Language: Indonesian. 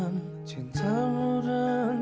noh inah pak